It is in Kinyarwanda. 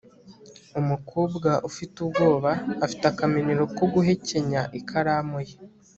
umukobwa ufite ubwoba afite akamenyero ko guhekenya ikaramu ye